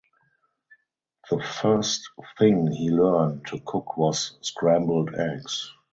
The first thing he learned to cook was scrambled eggs.